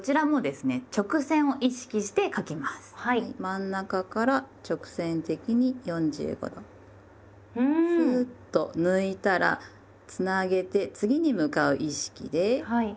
真ん中から直線的に４５度スーッと抜いたらつなげて次に向かう意識で右払いへ。